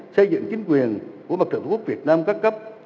xây dựng chính quyền của mặt trận tqvn các cấp